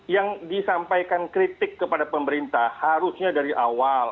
yang disampaikan kritik kepada pemerintah harusnya dari awal